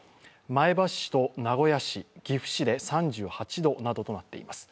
前橋市と名古屋市、岐阜市で３８度となっています。